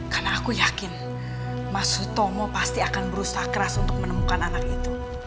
karena aku yakin mas utomo pasti akan berusaha keras untuk menemukan anak itu